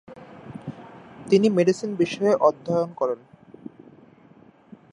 তিনি মেডিসিন বিষয়ে অধ্যয়ন করেন।